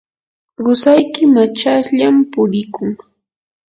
qusayki machashllam purikun.